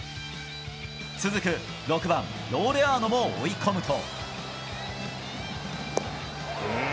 続く６番ロレアノも追い込むと。